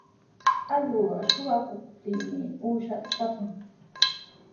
Allquqa suqakuqpitami uushata taapan.